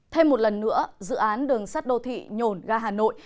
thêm một lần nữa dự án đường sắt đô thị nhổn ga hà nội